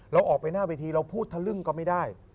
เราออกไปหน้าเวทีเราพูดทะลึ่งก็ไม่ได้